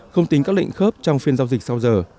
không tính các lệnh khớp trong phiên giao dịch sau giờ